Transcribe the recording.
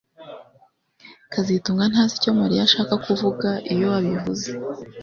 kazitunga ntazi icyo Mariya ashaka kuvuga iyo abivuze